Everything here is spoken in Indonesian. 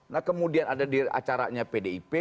nah kemudian ada di acaranya pdip